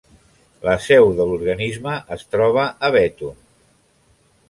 La seu de l'organisme es troba a Béthune.